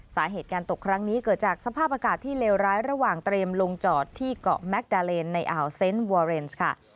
สาเหตุการตกครั้งนี้เกิดจากสภาพอากาศที่เลวร้ายระหว่างเตรียมลงจอดที่เกาะแมคดาเลนในอ่าวเซนต์วอเรนส์ค่ะ